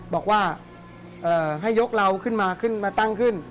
บอกว่าให้ยกเราขึ้นมาขึ้นมาตั้งขึ้น